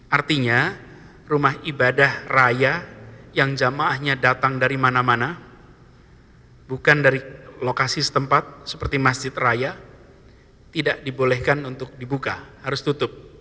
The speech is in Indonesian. artinya rumah ibadah raya yang jamaahnya datang dari mana mana bukan dari lokasi setempat seperti masjid raya tidak dibolehkan untuk dibuka harus tutup